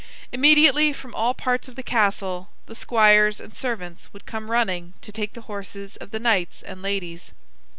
Immediately from all parts of the castle the squires and servants would come running to take the horses of the knights and ladies.